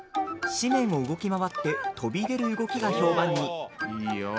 紙面を動き回って飛び出る動きが評判に。